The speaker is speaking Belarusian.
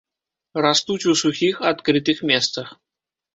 Растуць у сухіх адкрытых месцах.